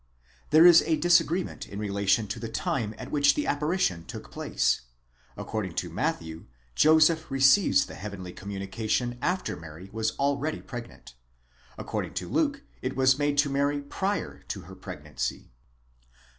There is a disagreement in relation to the time at which the apparition took place: according to. Matthew, Joseph receives the heavenly communication after Mary was already pregnant: according to Luke it is made to Mary prior to her pregnancy.